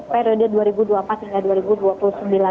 periode dua ribu dua puluh empat hingga